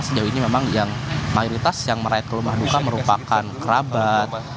sejauh ini memang yang mayoritas yang merayat ke rumah duka merupakan kerabat